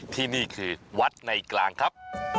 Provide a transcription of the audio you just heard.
ที่นี่คือวัดในกลางครับ